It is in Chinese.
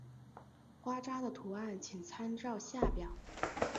花札的图案请参照下表。